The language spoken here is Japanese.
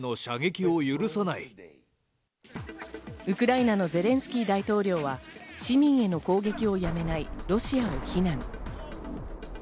ウクライナのゼレンスキー大統領は、市民への攻撃をやめないロシアを非難。